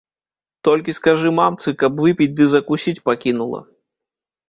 Толькі скажы мамцы, каб выпіць ды закусіць пакінула.